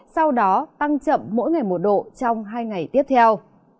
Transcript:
sau đó tăng chậm mỗi ngày một độ trong hai ngày tiếp theo